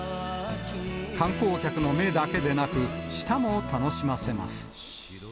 観光客の目だけでなく、舌も楽しませます。